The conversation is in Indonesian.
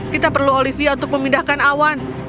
kita perlu olivia untuk memindahkan awan